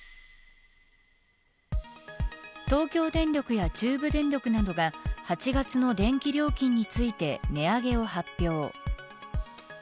東京電力や中部電力などが８月の電気料金について値上げを発表。